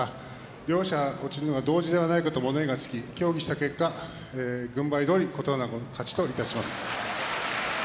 両者、落ちるのが同時ではないかと物言いがつき、協議した結果軍配どおり琴ノ若の勝ちとします。